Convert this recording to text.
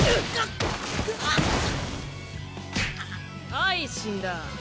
はい死んだ。